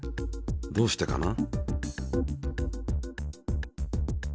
どうしてかな。